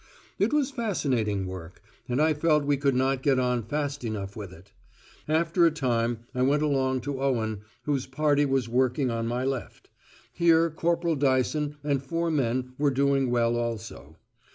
It was fascinating work, and I felt we could not get on fast enough with it. After a time I went along to Owen, whose party was working on my left. Here Corporal Dyson and four men were doing well also.